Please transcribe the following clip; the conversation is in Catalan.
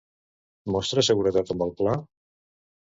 Mostra seguretat amb el pla?